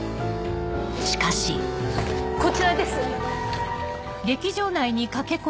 しかしこちらです！